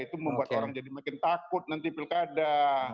itu membuat orang jadi makin takut nanti pilkada